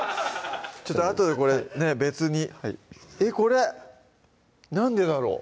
ちょっとあとでこれね別にえっこれなんでだろう？